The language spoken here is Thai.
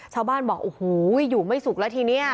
ชาวบ้านบอกโอ้โหอยู่ไม่สุกแล้วทีนี้